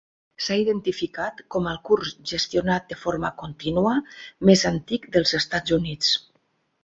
S'ha identificat com el curs gestionat de forma contínua més antic dels Estats Units.